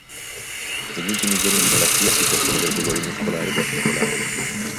Negli ultimi giorni di malattia si possono avere dolori muscolari ed articolari.